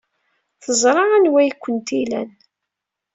Teẓra anwa ay kent-ilan.